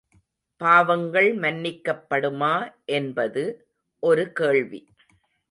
பாவங்கள் மன்னிக்கப்படுமா என்பது ஒரு கேள்வி.